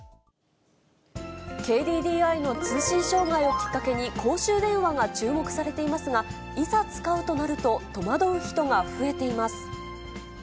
ＫＤＤＩの通信障害をきっかけに、公衆電話が注目されていますが、いざ使うとなると戸惑う人が増えています。